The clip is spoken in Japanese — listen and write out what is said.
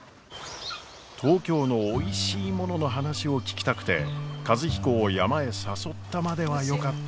東京のおいしいものの話を聞きたくて和彦を山へ誘ったまではよかったのですが。